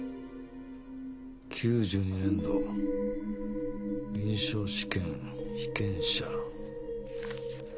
９２年度臨床試験被験者。